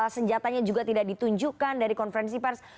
senjatanya juga tidak ditunjukkan dari konferensi pers